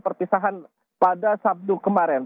perpisahan pada sabtu kemarin